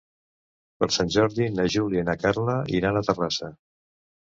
Per Sant Jordi na Júlia i na Carla iran a Terrassa.